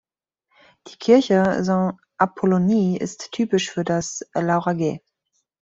Die Kirche Ste-Apollonie ist typisch für das Lauragais.